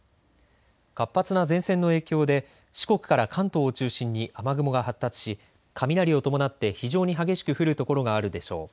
活発な前線の影響で四国から関東を中心に雨雲が発達し、雷を伴って非常に激しく降る所があるでしょう。